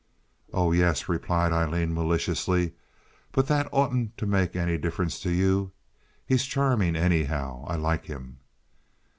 "Oh yes," replied Aileen, maliciously; "but that oughtn't to make any difference to you. He's charming, anyhow. I like him."